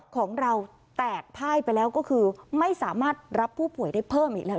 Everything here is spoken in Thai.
ของเราแตกพ่ายไปแล้วก็คือไม่สามารถรับผู้ป่วยได้เพิ่มอีกแล้ว